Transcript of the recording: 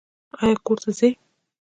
ایا کور ته ځئ؟